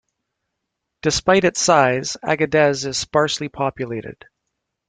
Despite its size, Agadez is sparsely populated.